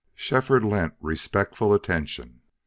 Shefford lent respectful attention.